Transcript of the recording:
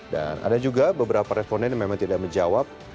dan ada juga beberapa responden yang memang tidak menjawab